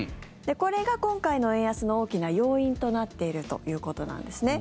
これが今回の円安の大きな要因となっているということなんですね。